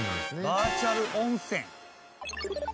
バーチャル温泉。